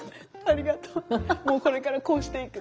「もうこれからこうしていく」。